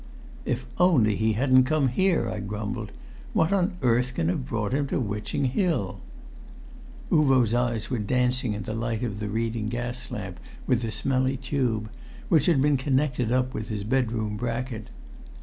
"If only he hadn't come here!" I grumbled. "What on earth can have brought him to Witching Hill, of all places?" Uvo's eyes were dancing in the light of the reading gas lamp, with the smelly tube, which had been connected up with his bedroom bracket.